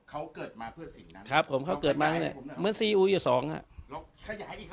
เขาเกิดมาเพื่อสิ่งนั้นครับผมเขาเกิดมาเหมือนซีอูยสองฮะลองขยายอีกครับผม